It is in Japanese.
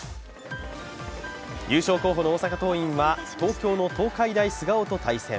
優勝候補の大阪桐蔭は東京の東海大菅生と対戦。